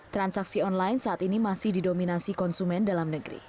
transaksi online saat ini masih didominasi konsumen dalam negeri